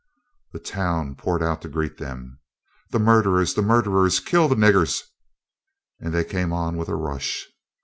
The town poured out to greet them "The murderers! the murderers! Kill the niggers!" and they came on with a rush.